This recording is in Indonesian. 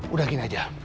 udah gini aja